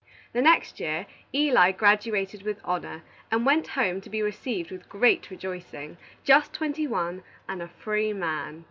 The next year, Eli graduated with honor, and went home, to be received with great rejoicing, just twenty one, and a free man.